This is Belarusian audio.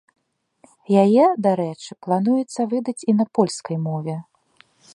Яе, дарэчы, плануецца выдаць і на польскай мове.